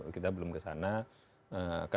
kita belum kesana